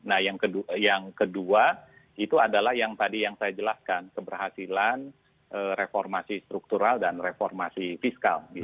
nah yang kedua itu adalah yang tadi yang saya jelaskan keberhasilan reformasi struktural dan reformasi fiskal